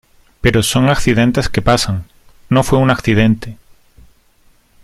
pero son accidentes que pasan. no fue un accidente .